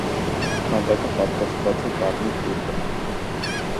Քանդակը պատրաստուած է կարմիր տուֆէ։